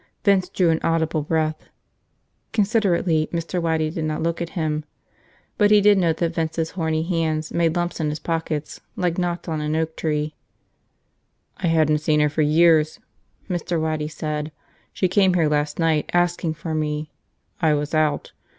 Vince drew an audible breath. Considerately, Mr. Waddy did not look at him. But he did note that Vince's horny hands made lumps in his pockets like knots on an oak tree. "I hadn't seen her for years," Mr. Waddy said. "She came here last night, asking for me. I was out.